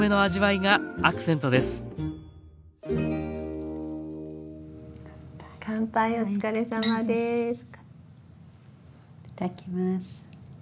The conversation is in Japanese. いただきます。